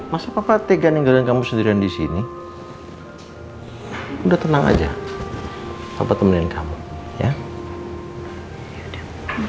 masa papa teganing dengan kamu sendirian disini udah tenang aja apa temenin kamu ya ya udah